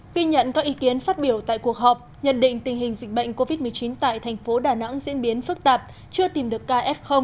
ghi nhận các ý kiến phát biểu tại cuộc họp nhận định tình hình dịch bệnh covid một mươi chín tại thành phố đà nẵng diễn biến phức tạp chưa tìm được kf